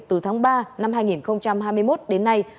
từ tháng ba năm hai nghìn hai mươi một đến nay